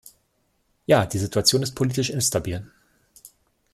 Ja, die Situation ist politisch instabil.